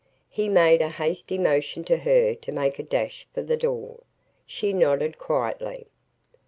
He made a hasty motion to her to make a dash for the door. She nodded quietly.